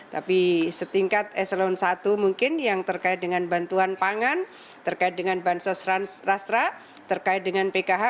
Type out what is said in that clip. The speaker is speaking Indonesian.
tapi setingkat eselon i mungkin yang terkait dengan bantuan pangan terkait dengan bansos rastra terkait dengan pkh